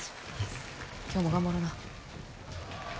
今日も頑張ろな。